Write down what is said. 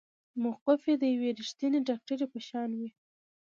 موقف يې د يوې رښتينې ډاکټرې په شان وه.